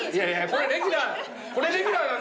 これレギュラーなんだよ。